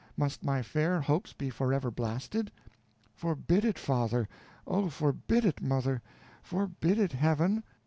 must my fair hopes be forever blasted? Forbid it, father; oh! forbid it, mother; forbid it, Heaven."